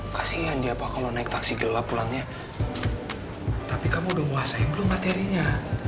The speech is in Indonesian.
kasian dia pak kalau naik taksi gelap pulangnya tapi kamu udah nguasain dulu materinya